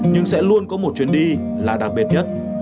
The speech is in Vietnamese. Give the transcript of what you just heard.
nhưng sẽ luôn có một chuyến đi là đặc biệt nhất